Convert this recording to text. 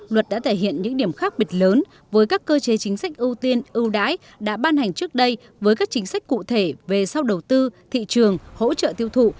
luật đã thể hiện những điểm khác biệt lớn với các cơ chế chính sách ưu tiên ưu đãi đã ban hành trước đây với các chính sách cụ thể về sau đầu tư thị trường hỗ trợ tiêu thụ